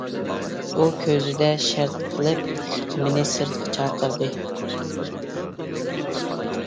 ئۇ كۆزىدە شەرەت قىلىپ مېنى سىرتقا چاقىردى.